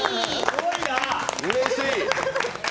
うれしい。